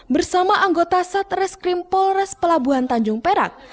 bersama anggota satreskrim polres pelabuhan tanjung perak